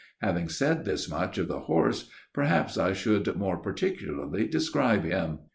Having said thus much of the horse, perhaps we should more particularly describe him.